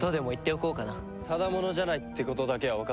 ただ者じゃないってことだけはわかったよ。